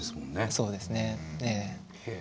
そうですねええ。